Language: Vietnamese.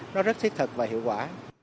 nó rất thiết thực và hiệu quả